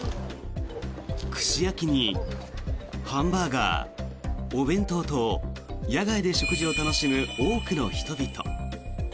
串焼きにハンバーガー、お弁当と野外で食事を楽しむ多くの人々。